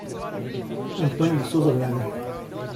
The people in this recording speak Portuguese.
Antônio de Souza Braga